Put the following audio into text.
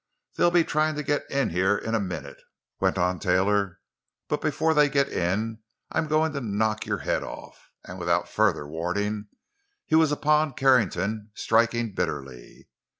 "They'll be trying to get in here in a minute," went on Taylor. "But before they get in I'm going to knock your head off!" And without further warning he was upon Carrington, striking bitterly.